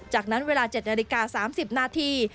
จากนั้นเวลา๗นาฬิกา๓๐นาที